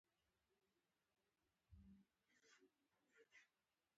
احمد ګولۍ ته نه وتاړه.